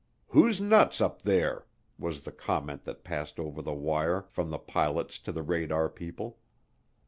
"Who's nuts up there?" was the comment that passed over the wire from the pilots to the radar people.